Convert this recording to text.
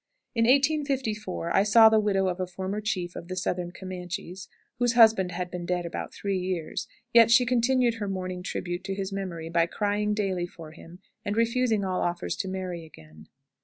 In 1854 I saw the widow of a former chief of the Southern Comanches, whose husband had been dead about three years, yet she continued her mourning tribute to his memory by crying daily for him and refusing all offers to marry again.